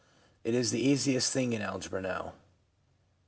It is the easiest thing in algebra now.'